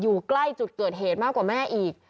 อยู่ใกล้จุดเกิดเหตุมากกว่าแม่อีก